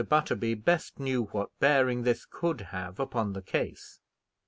Butterby best knew what bearing this could have upon the case.